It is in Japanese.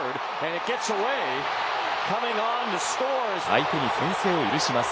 相手に先制を許します。